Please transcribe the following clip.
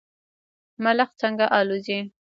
ملخ څنګه الوځي؟